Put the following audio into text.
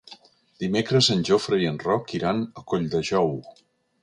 Dimecres en Jofre i en Roc iran a Colldejou.